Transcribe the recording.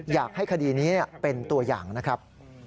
อยากให้คดีนี้เป็นตัวอย่างนะครับ